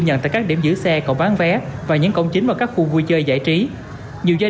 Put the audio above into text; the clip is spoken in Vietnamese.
nhận tại các điểm giữ xe cổng bán vé và những cổng chính và các khu vui chơi giải trí nhiều gia